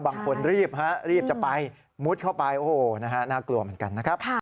บางคนรีบฮะรีบจะไปมุดเข้าไปโอ้โหนะฮะน่ากลัวเหมือนกันนะครับ